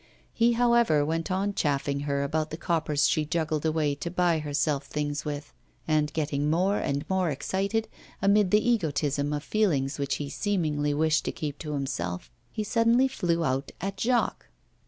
He, however, went on chaffing her about the coppers she juggled away to buy herself things with; and getting more and more excited, amid the egotism of feelings which he seemingly wished to keep to himself, he suddenly flew out at Jacques.